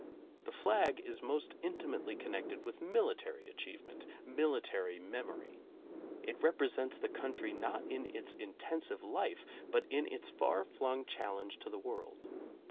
The flag is most intimately connected with military achievement, military memory. It represents the country not in its intensive life, but in its far flung challenge to the world.